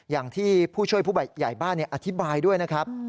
อย่างที่ผู้ช่วยผู้ใหญ่บ้านอธิบายด้วยนะครับ